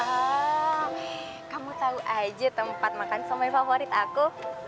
oh kamu tau aja tempat makan somen favorit aku